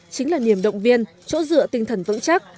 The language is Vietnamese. chính là niềm động viên chỗ dựa tinh thần vững chắc